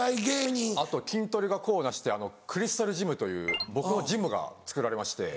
あと筋トレが功を成してクリスタルジムという僕のジムがつくられまして。